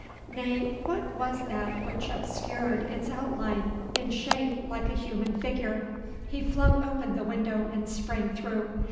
Nay, what was that which obscured its outline, in shape like a human figure? He flung open the window and sprang through.